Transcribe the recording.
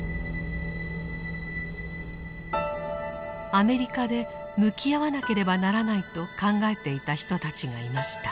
アメリカで向き合わなければならないと考えていた人たちがいました。